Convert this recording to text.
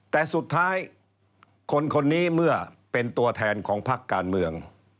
แต่สุดท้ายคนคนนี้เมื่อเป็นตัวแทนของพักการเมือง